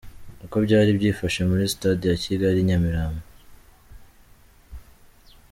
Uko byari byifashe muri Stade ya Kigali i Nyamirambo.